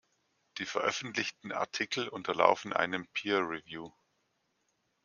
Die veröffentlichten Artikel unterlaufen einem Peer-Review.